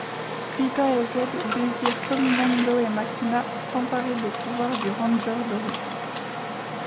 Rita et Zedd désirent comme Mondo et Machina s’emparer des pouvoirs du ranger doré.